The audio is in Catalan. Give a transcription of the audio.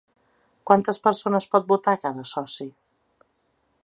Quantes persones pot votar cada soci?